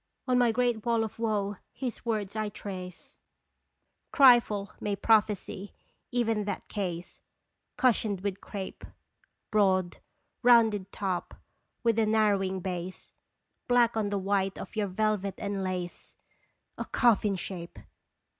On my Great Wall of woe his words I trace ! Trifle may prophesy, even that case, Cushioned with crape. Broad, rounded top with a narrowing base, Black on the white of your velvet and lace, A coffin shape